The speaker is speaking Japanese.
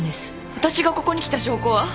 私がここに来た証拠は？